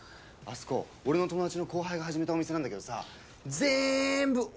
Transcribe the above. あそこ俺の友達の後輩が始めたお店なんだけどさぁぜんぶ